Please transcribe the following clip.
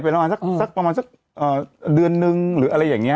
เป็นแล้วหายไปประมาณสักเดือนหนึ่งหรืออะไรอย่างนี้